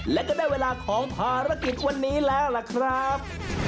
และก็ได้เวลาของภารกิจวันนี้แล้วล่ะครับ